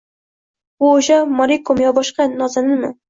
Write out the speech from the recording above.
«Bu o‘sha Morikomi yo boshqa bir nozaninmi?»